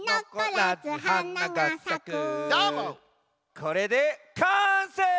これでかんせい！